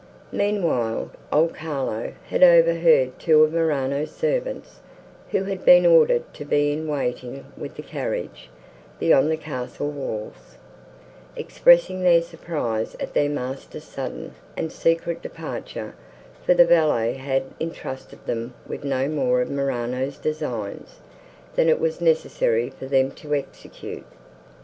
Meanwhile, old Carlo had overheard two of Morano's servants, who had been ordered to be in waiting with the carriage, beyond the castle walls, expressing their surprise at their master's sudden, and secret departure, for the valet had entrusted them with no more of Morano's designs, than it was necessary for them to execute.